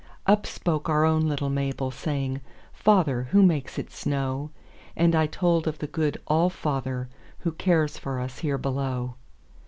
Up spoke our own little Mabel, Saying, "Father, who makes it snow?"And I told of the good All fatherWho cares for us here below.